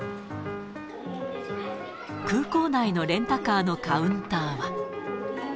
空港内のレンタカーのカウンターは。